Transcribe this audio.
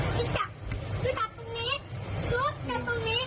ชิ้นจับชิ้นจับตรงนี้